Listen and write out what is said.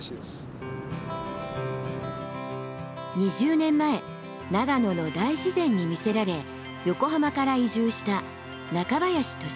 ２０年前長野の大自然に魅せられ横浜から移住した中林寿之さん。